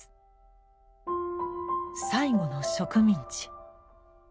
「最後の植民地」。